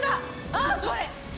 ああこれ！